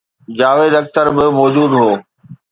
جاويد اختر به موجود هو